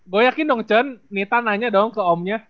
gue yakin dong con nita nanya dong ke omnya